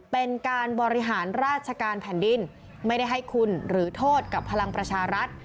เป็นการบริหารราชการแผ่นดินไม่ได้ให้คุณหรือโทษกับพลังประชารัฐ